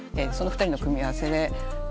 その２人の組み合わせで。